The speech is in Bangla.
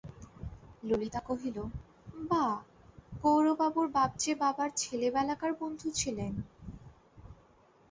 ললিতা কহিল, বাঃ, গৌরবাবুর বাপ যে বাবার ছেলেবেলাকার বন্ধু ছিলেন।